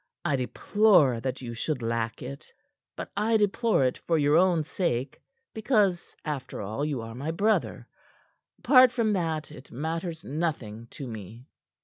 I deplore that you should lack it; but I deplore it for your own sake, because, after all, you are my brother. Apart from that, it matters nothing to me."